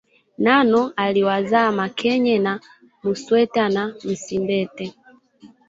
Nano aliwazaa Mokenye na Musweta na Msimbete